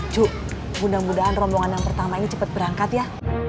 ju mudah mudahan rombongan yang pertama ini cepat berangkat ya